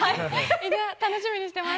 楽しみにしてます。